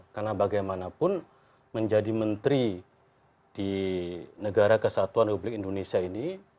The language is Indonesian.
karena bagaimanapun menjadi menteri di negara kesatuan republik indonesia ini